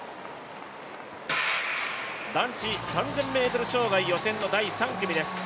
男子３０００ｍ障害予選の第３組です。